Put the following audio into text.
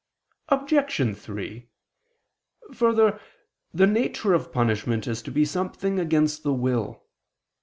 Obj. 3: Further, the nature of punishment is to be something against the will.